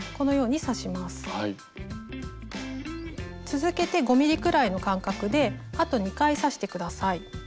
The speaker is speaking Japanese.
続けて５ｍｍくらいの間隔であと２回刺して下さい。